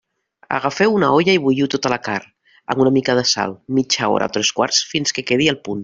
Agafeu una olla i bulliu tota la carn, amb una mica de sal, mitja hora o tres quarts fins que quedi al punt.